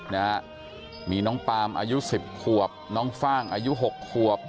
นะฮะมีน้องปามอายุสิบขวบน้องฟ่างอายุหกขวบ